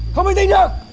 không bình tĩnh được